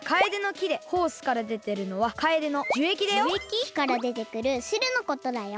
木からでてくるしるのことだよ。